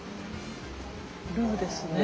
ルーですね。